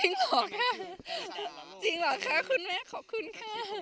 นี่มันได้ใช้พื้นดอนถ่ายรูป